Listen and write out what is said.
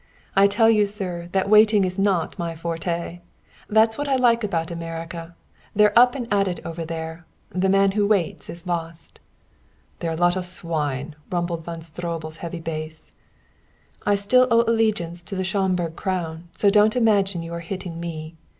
"I tell you, sir, that waiting is not my forte. That's what I like about America; they're up and at it over there; the man who waits is lost." "They're a lot of swine!" rumbled Von Stroebel's heavy bass. "I still owe allegiance to the Schomburg crown, so don't imagine you are hitting me.